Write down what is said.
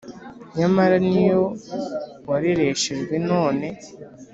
nyamara niyo warereshejwe none